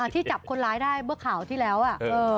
ที่จับคนร้ายได้เมื่อข่าวที่แล้วอ่ะ